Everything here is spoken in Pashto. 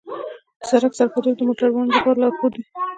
د سړک سرحدونه د موټروانو لپاره لارښود وي.